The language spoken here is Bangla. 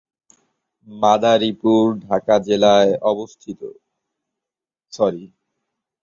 বিলাইছড়ি উপজেলা সদর এ ইউনিয়নে অবস্থিত।